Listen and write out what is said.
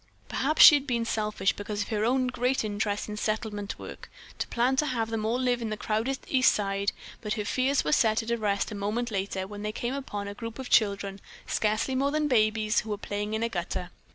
Perhaps she had been selfish, because of her own great interest in Settlement Work, to plan to have them all live on the crowded East Side, but her fears were set at rest a moment later when they came upon a group of children, scarcely more than babies, who were playing in a gutter.